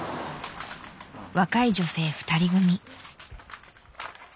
若い女性２人組。